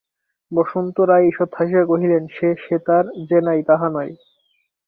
বসন্ত রায় ঈষৎ হাসিয়া কহিলেন, সে সেতার যে নাই, তাহা নয়।